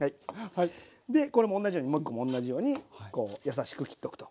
でこれも同じようにもう１個も同じようにこう優しく切っとくと。